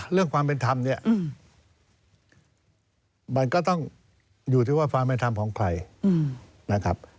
เรื่องความเป็นธรรมเนี่ยมันก็ต้องอยู่ที่ว่าความเป็นธรรมของใครนะครับ